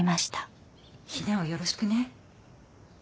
陽菜をよろしくね。